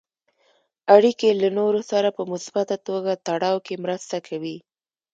اړیکې له نورو سره په مثبته توګه تړاو کې مرسته کوي.